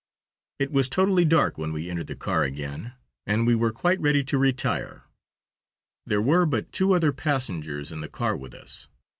It was totally dark when we entered the car again, and we were quite ready to retire. There were but two other passengers in the car with us.